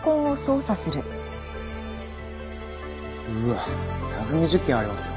うわっ１２０件ありますね。